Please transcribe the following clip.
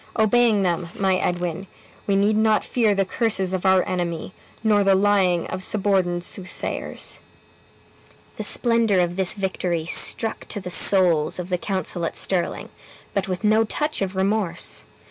Obeying them, my Edwin, we need not fear the curses of our enemy, nor the lying of suborned soothsayers." The splendor of this victory struck to the souls of the council at Stirling, but with no touch of remorse.